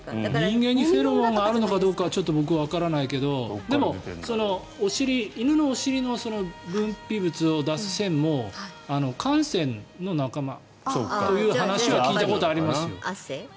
人間にフェロモンがあるのかどうか僕はわからないけどでも、犬のお尻の分泌物を出す腺も汗腺の仲間という話は聞いたことありますよ。